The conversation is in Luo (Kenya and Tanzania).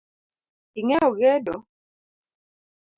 Ing’eyo gedo?